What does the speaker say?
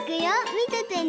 みててね。